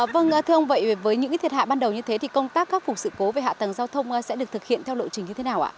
vâng thưa ông vậy với những thiệt hại ban đầu như thế thì công tác khắc phục sự cố về hạ tầng giao thông sẽ được thực hiện theo lộ trình như thế nào ạ